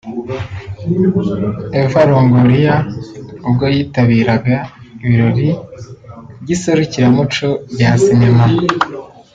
Eva Longoria ubwo yitabiraga ibirori by’iserukiramuco rya sinema